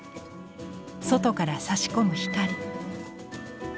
外からさし込む光。